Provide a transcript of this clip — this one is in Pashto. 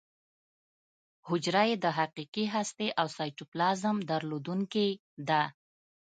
حجره یې د حقیقي هستې او سایټوپلازم درلودونکې ده.